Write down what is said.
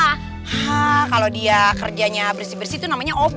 hah kalau dia kerjanya bersih bersih itu namanya ob